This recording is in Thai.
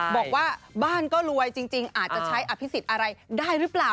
บอกว่าบ้านก็รวยจริงอาจจะใช้อภิษฎอะไรได้หรือเปล่า